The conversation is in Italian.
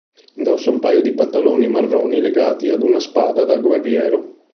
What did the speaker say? Indossa un paio di pantaloni marroni legati ad una spada da guerriero.